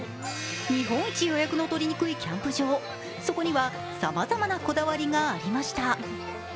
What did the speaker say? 日本一予約の取りにくいキャンプ場、そこにはさまざまなこだわりがありました。